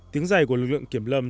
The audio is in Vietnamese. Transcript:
tiếng dày của lực lượng kiểm lâm